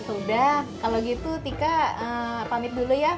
udah kalo gitu tika pamit dulu ya